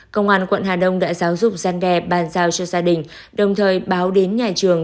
công an quận hà đông đã giáo dục gian đe bàn giao cho gia đình đồng thời báo đến nhà trường